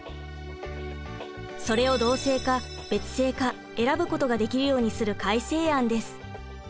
それを同姓か別姓か選ぶことができるようにする改正案です。